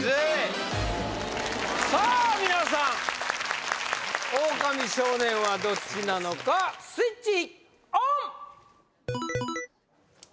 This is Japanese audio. さあみなさんオオカミ少年はどっちなのかスイッチオン！